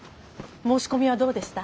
申し込みはどうでした？